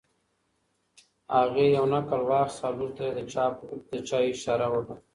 هغې یو نقل واخیست او لور ته یې د چایو اشاره وکړه.